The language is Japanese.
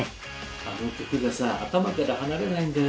あの曲がさ頭から離れないんだよ。